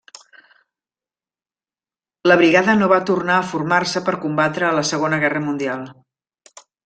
La brigada nova tornar a formar-se per combatre a la Segona Guerra Mundial.